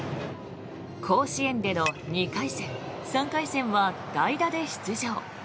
甲子園での２回戦、３回戦は代打で出場。